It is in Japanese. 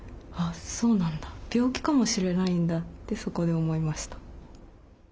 病気かもしれないんだってそこで思いました。